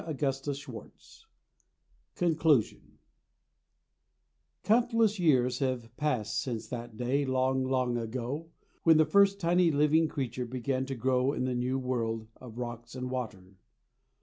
CONCLUSION CONCLUSION COUNTLESS years have passed since that day, long, long ago, when the first tiny living creature began to grow in the new world of rocks and water.